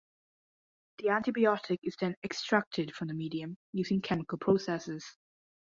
The antibiotic is then extracted from the medium using chemical processes.